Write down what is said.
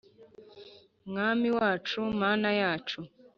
Mwami wacu, Mana yacu,